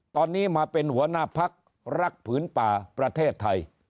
ตอนนี้มาเป็นหัวหน้าพักรักผืนป่าประเทศไทย